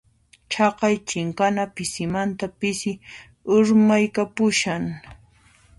Chaqay chinkana pisimanta pisi urmaykapushan.